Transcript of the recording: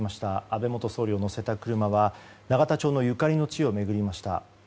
安倍元総理を乗せた車は永田町のゆかりの地を巡りました。